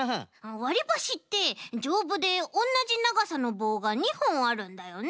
わりばしってじょうぶでおんなじながさのぼうが２ほんあるんだよね？